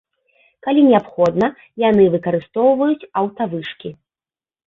Калі неабходна, яны выкарыстоўваюць аўтавышкі.